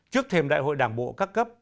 trước thêm đại hội đảng bộ các cấp